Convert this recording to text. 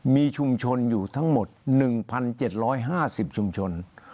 มีชุมชนอยู่ทั้งหมด๑๗๕๐ชุมชน